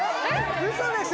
ウソでしょ？